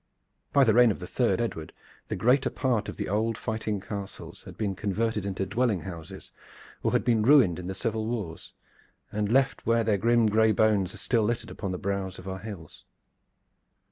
By the reign of the third Edward the greater part of the old fighting castles had been converted into dwelling houses or had been ruined in the civil wars, and left where their grim gray bones are still littered upon the brows of our hills.